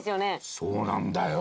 そうなんだよ。